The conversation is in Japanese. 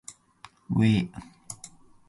うぇ